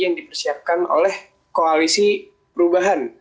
yang dipersiapkan oleh koalisi perubahan